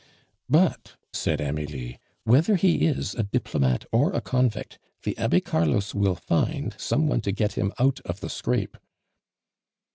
"But," said Amelie, "whether he is a diplomate or a convict, the Abbe Carlos will find some one to get him out of the scrape."